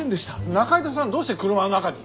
仲井戸さんはどうして車の中に？